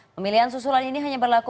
pemilihan susulan ini hanya berlaku